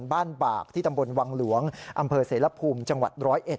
บ้านบากที่ตำบลวังหลวงอำเภอเสรภูมิจังหวัด๑๐๑